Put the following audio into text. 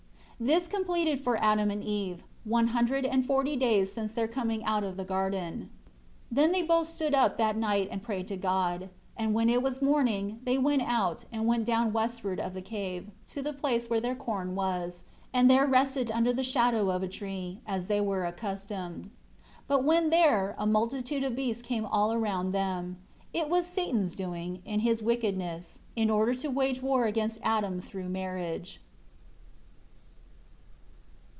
This completed for Adam and Eve, one hundred and forty days since their coming out of the garden. 10 Then they both stood up that night and prayed to God. And when it was morning, they went out, and went down westward of the cave, to the place where their corn was, and there rested under the shadow of a tree, as they were accustomed. 11 But when there a multitude of beasts came all around them. It was Satan's doing, in his wickedness; in order to wage war against Adam through marriage.